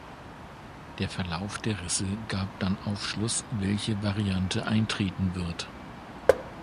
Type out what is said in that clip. Der Verlauf der Risse gab dann Aufschluss, welche Variante eintreten wird.